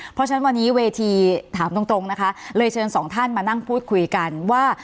เพราะฉะนั้นวันนี้เวทีถามตรงนะคะเลยเชิญสองท่านมานั่งพูดคุยกันว่า